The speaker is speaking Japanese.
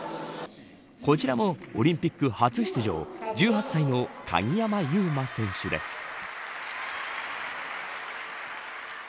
こちらもオリンピック初出場１８歳の鍵山優真選手です。